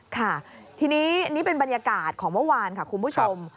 ค่ะทีนี้นี่เป็นบรรยากาศของเมื่อวานค่ะคุณผู้ชม